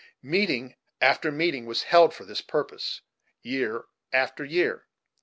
Meeting after meeting was held, for this purpose, year after year.